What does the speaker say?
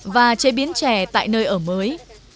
và chế biến trè tại nơi ở mới